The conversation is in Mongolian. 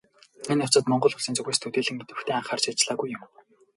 Энэ явцад Монгол Улсын зүгээс төдийлөн идэвхтэй анхаарч ажиллаагүй юм.